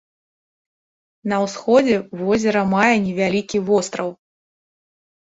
На ўсходзе возера мае невялікі востраў.